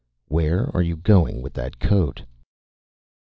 "Where are you going with that coat?"